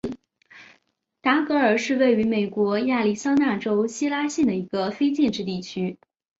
达格尔是位于美国亚利桑那州希拉县的一个非建制地区。